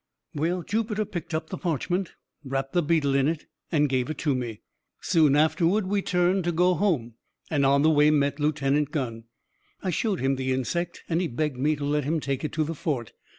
"Well, Jupiter picked up the parchment, wrapped the beetle in it, and gave it to me. Soon afterward we turned to go home, and on the way met Lieutenant G . I showed him the insect, and he begged me to let him take it to the fort.